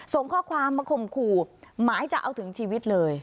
ส่งข้อความมาข่มขู่หมายจะเอาถึงชีวิตเลย